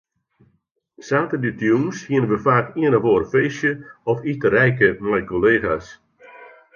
Saterdeitejûns hiene we faak ien of oar feestje of iterijke mei kollega's.